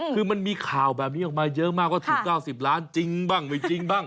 คือมันมีข่าวแบบนี้ออกมาเยอะมากว่าถูก๙๐ล้านจริงบ้างไม่จริงบ้าง